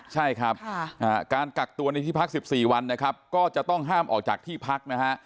ใช่ครับการกักตัวในที่พัก๑๔วันนะครับก็จะต้องห้ามออกจากที่พักนะฮะ